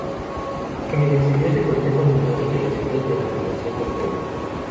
En el exterior se conservan numerosos elementos de la fundación del templo.